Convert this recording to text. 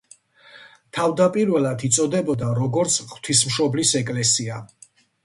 თავდაპირველად იწოდებოდა როგორც ღვთისმშობლის ეკლესია.